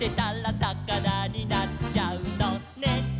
「さかなになっちゃうのね」